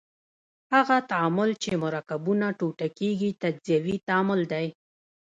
هغه تعامل چې مرکبونه ټوټه کیږي تجزیوي تعامل دی.